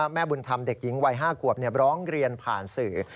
แม่บุญธรรมเด็กหญิงวัย๕ขวบร้องเรียนผ่านสื่อ